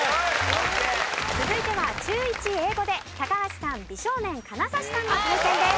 続いては中１英語で高橋さん美少年金指さんの挑戦です。